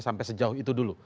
sampai sejauh itu dulu